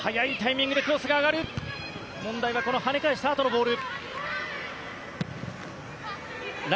問題ははね返したあとのボール。